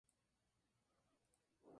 Varney es originaria de Arizona.